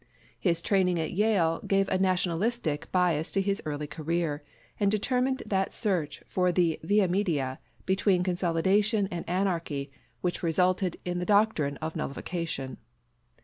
His training at Yale gave a nationalistic bias to his early career, and determined that search for the via media between consolidation and anarchy which resulted in the doctrine of nullification.